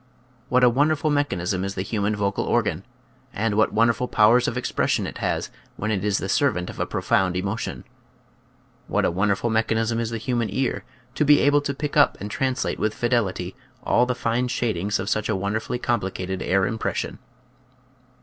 What a wonderful mechanism is the human vocal organ, and what wonderful powers of expression it has when it is the servant of a profound emotion ! What a wonderful mechanism is the human ear to be able to pick up and translate with fidelity all the fine shadings of such a won derfully complicated air impression!